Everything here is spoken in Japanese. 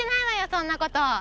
そんなこと。